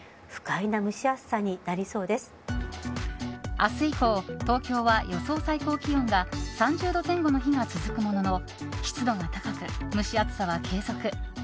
明日以降東京は予想最高気温が３０度前後の日が続くものの湿度が高く、蒸し暑さは継続。